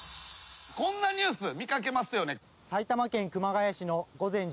こんなニュース見掛けますよね。